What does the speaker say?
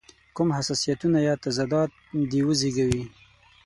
کوم حساسیتونه یا تضادات دې وزېږوي.